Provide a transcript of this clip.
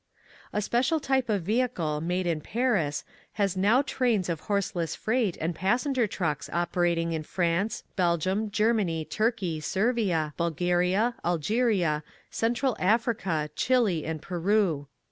A special type of vehicle, made in Paris, has now trains of horseless freight and passenger trucks operating in France, Belgium, Germany, Turkey, Servia, Bul garia, Algeria, Central Africa, Chile, and Peru.